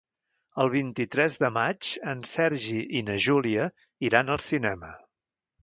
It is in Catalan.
El vint-i-tres de maig en Sergi i na Júlia iran al cinema.